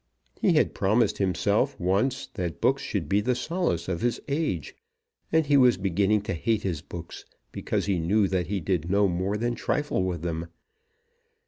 He had promised himself once that books should be the solace of his age, and he was beginning to hate his books, because he knew that he did no more than trifle with them.